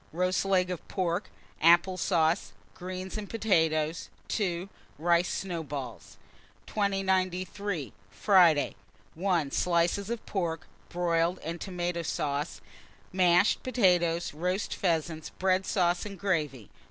Roast leg of pork, apple sauce, greens, and potatoes. 2. Rice snowballs. 2093. Friday. 1. Slices of pork, broiled, and tomata sauce, mashed potatoes; roast pheasants, bread sauce, and gravy.